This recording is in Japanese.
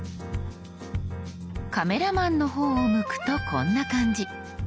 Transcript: カメラマンの方を向くとこんな感じ。